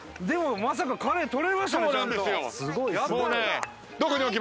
でもカレイとれましたね。